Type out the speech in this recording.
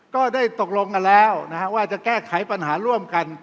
ก็ได้ตกลงกันแล้วว่าจะแก้ไขปัญหาร่วมกัน